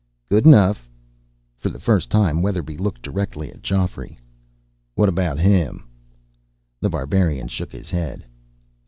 "Good enough." For the first time, Weatherby looked directly at Geoffrey. "What about him?" The Barbarian shook his head.